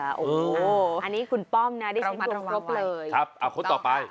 อันนี้คุณป้อมนะได้ใช้ตัวครบเลย